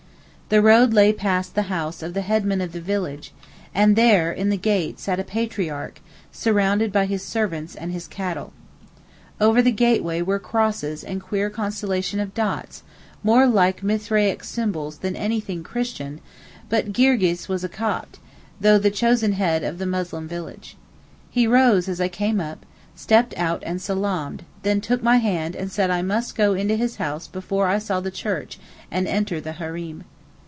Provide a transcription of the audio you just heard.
The road lay past the house of the headman of the village, and there 'in the gate' sat a patriarch, surrounded by his servants and his cattle. Over the gateway were crosses and queer constellations of dots, more like Mithraic symbols than anything Christian, but Girgis was a Copt, though the chosen head of the Muslim village. He rose as I came up, stepped out and salaamed, then took my hand and said I must go into his house before I saw the church and enter the hareem.